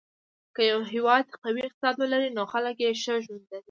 که یو هېواد قوي اقتصاد ولري، نو خلک یې ښه ژوند لري.